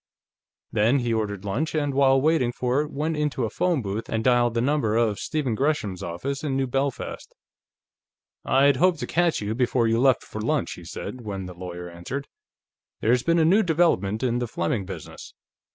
Then he ordered lunch, and, while waiting for it, went into a phone booth and dialed the number of Stephen Gresham's office in New Belfast. "I'd hoped to catch you before you left for lunch," he said, when the lawyer answered. "There's been a new development in the Fleming business."